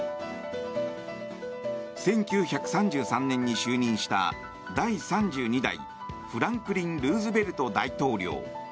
１９３３年に就任した第３２代フランクリン・ルーズベルト大統領。